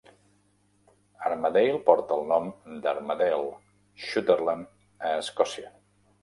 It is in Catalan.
Armadale porta el nom d'Armadale, Sutherland a Escòcia.